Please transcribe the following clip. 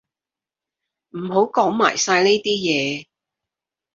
唔好講埋晒呢啲嘢